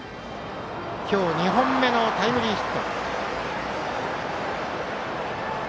今日２本目のタイムリーヒット。